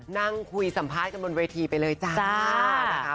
นั่งคุยสัมภาษณ์กันบนเวทีไปเลยจ้านะคะ